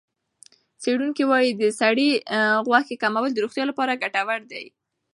څېړونکي وايي د سرې غوښې کمول د روغتیا لپاره ګټور دي.